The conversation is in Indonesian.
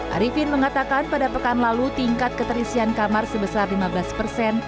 arifin mengatakan pada pekan lalu tingkat keterisian kamar sebesar lima belas persen